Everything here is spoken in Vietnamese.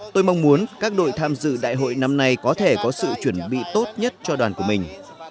tôi mong muốn các đội tham dự đại hội năm nay có thể có sự chuẩn bị tốt nhất cho đoàn của mình